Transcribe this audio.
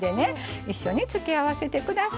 一緒に付け合わせて下さい。